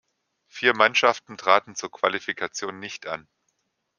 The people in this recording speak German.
Vier Mannschaften traten zur Qualifikation nicht an.